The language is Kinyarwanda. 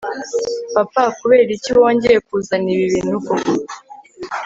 papa, kuberiki wongeye kuzana ibi bintu koko